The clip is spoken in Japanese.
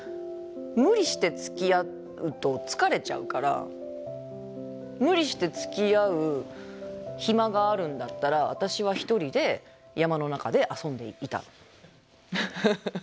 無理してつきあうと疲れちゃうから無理してつきあう暇があるんだったら私は一人で山の中で遊んでいたのよ。